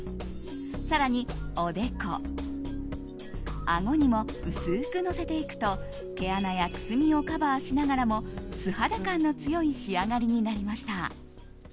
更に、おでこ、あごにも薄くのせていくと毛穴やくすみをカバーしながらも素肌感の強い仕上がりになりました。